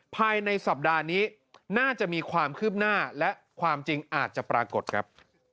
ภายในสัปดาห์นี้น่าจะมีความคืบหน้าและความจริงอาจจะปรากฏครับ